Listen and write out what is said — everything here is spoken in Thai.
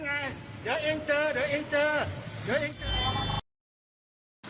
เดี๋ยวเองเจอเดี๋ยวเองเจอ